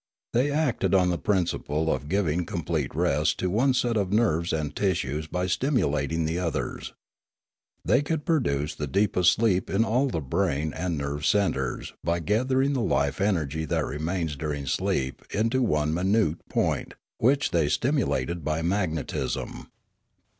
They acted on the principle of giving complete rest to one set of nerves and tissues by stimulating the others. They could produce the deepest sleep in all the brain and nerve centres by gathering the life energy that remains during sleep into one minute point, which they stimu lated by magnetism.